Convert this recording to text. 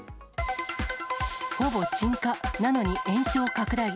ほぼ鎮火なのに延焼拡大。